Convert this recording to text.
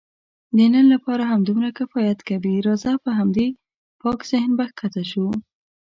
د نن لپاره همدومره کفایت کوي، راځه په همدې پاک ذهن به کښته شو.